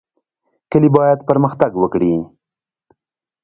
کلي باید پرمختګ وکړي